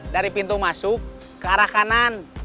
dari pintu masuk ke arah kanan